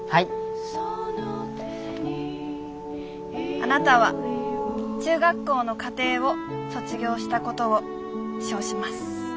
「あなたは中学校の課程を卒業したことを証します。